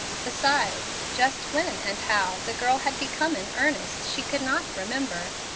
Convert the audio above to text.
Besides, just when and how she had become in earnest she could not remember.